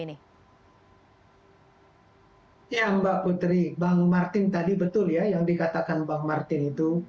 ya mbak putri bang martin tadi betul ya yang dikatakan bang martin itu